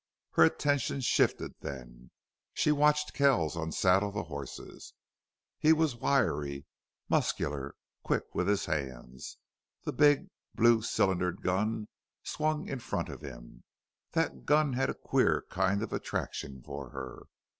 Her attention shifted then. She watched Kells unsaddle the horses. He was wiry, muscular, quick with his hands. The big, blue cylindered gun swung in front of him. That gun had a queer kind of attraction for her.